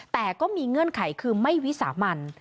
แต่ก็มีเงื่อนไขคือไม่วิสามัน